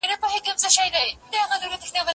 هغه څوک چي سبزېجات تياروي روغ وي.